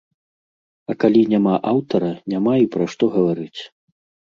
А калі няма аўтара, няма і пра што гаварыць.